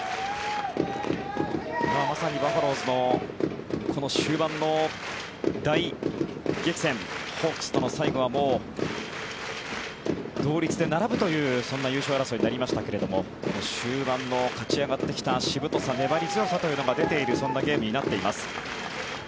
まさにバファローズの終盤の大激戦ホークスとの最後は同率で並ぶというそんな優勝争いになりましたけども終盤の勝ち上がってきたしぶとさ粘り強さというのが出ているそんなゲームになっています。